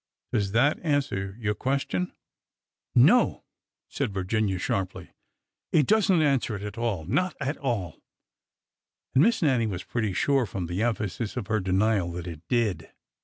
Does that answer your question?" '' No !" said Virginia, sharply. '' It does n't answer it at all— not at all !" And Miss Nannie was pretty sure, from the emphasis of her denial, that it did.